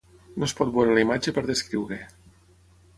No es pot veure la imatge per descriure